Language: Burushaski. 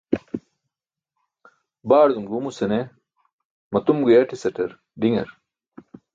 Baardum guumuse ne matum guyaṭisaṭar diṅar.